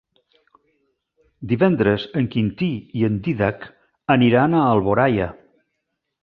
Divendres en Quintí i en Dídac aniran a Alboraia.